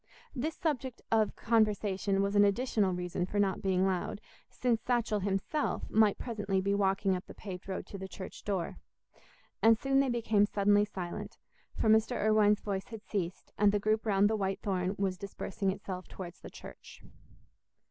This subject of conversation was an additional reason for not being loud, since Satchell himself might presently be walking up the paved road to the church door. And soon they became suddenly silent; for Mr. Irwine's voice had ceased, and the group round the white thorn was dispersing itself towards the church.